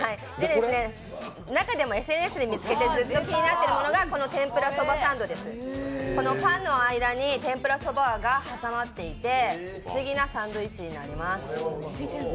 中でもＳＮＳで見つけてずっと気になってるのがこの天ぷら蕎麦サンドです、パンの間に天ぷら蕎麦が挟まっていて、不思議なサンドイッチになります。